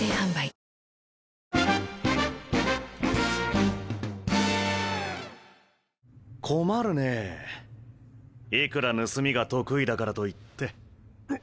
えっ⁉困るねぇいくら盗みが得意だからといって。